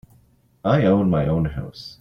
I own my own house.